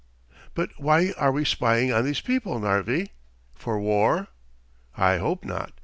"But why are we spying on these people, Narvi? For war?" "I hope not.